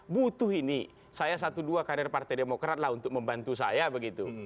butuh ini saya satu dua karir partai demokrat lah untuk membantu saya begitu